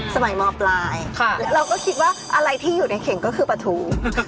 สมัยมปลายเราก็คิดว่าอะไรที่อยู่ในเข็งก็คือปลาทู